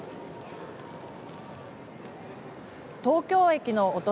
東京駅のお隣。